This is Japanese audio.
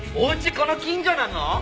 この近所なの？